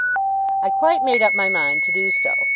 I quite made up my mind to do so.